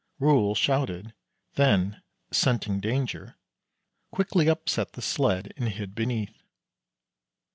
Rol shouted, then, scenting danger, quickly upset the sled and hid beneath.